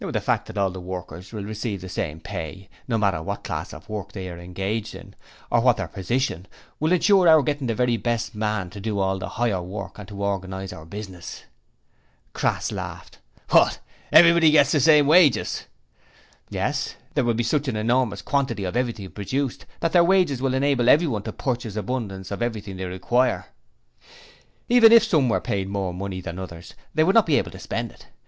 'The fact that all workers will receive the same pay, no matter what class of work they are engaged in, or what their position, will ensure our getting the very best man to do all the higher work and to organize our business.' Crass laughed: 'What! Everybody to get the same wages?' 'Yes: there will be such an enormous quantity of everything produced, that their wages will enable everyone to purchase abundance of everything they require. Even if some were paid more than others they would not be able to spend it.